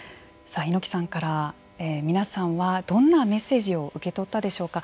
猪木さんから皆さんはどんなメッセージを受け取ったでしょうか。